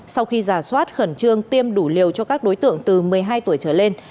sau khi giả soát khẩn trương tiêm đủ liều cho các đối tượng từ một mươi hai tuổi trở lên